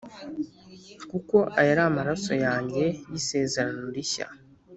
kuko aya ari amaraso yanjye y isezerano rishya